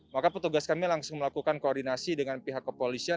maka petugas kami langsung melakukan koordinasi dengan pihak kepolisian